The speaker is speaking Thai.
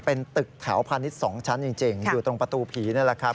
เป็นตึกแถวพาณิชย์๒ชั้นจริงอยู่ตรงประตูผีนี่แหละครับ